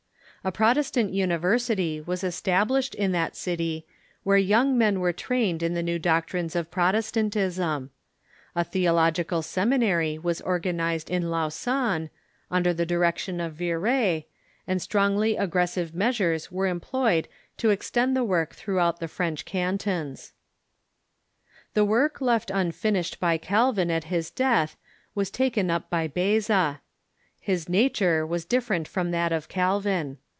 A Protestant university was established in that city, where young men were trained in the new doctrines of Protestantism. A theological semi nary was organized in Lausanne, under the direction of Viret, and strongly aggressive measures were emi^loyed to extend the work throughout the French cantons. * Accordhig to Hagenbach and Kurtz, Farel did not return to Geneva. FRENCH SWITZERLAND 243 The work left unfinished by Calvin at his death was taken up by Beza. His nature was difiFerent from that of Calvin.